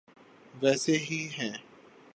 ویسی ہی ہیں۔